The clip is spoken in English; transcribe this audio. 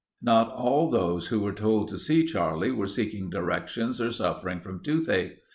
Not all those who were told to see Charlie were seeking directions or suffering from toothache.